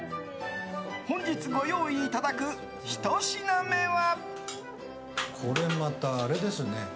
本日、ご用意いただくひと品目は。